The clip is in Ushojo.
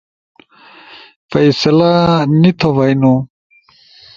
فیصلہ نی تھو بھئینو؟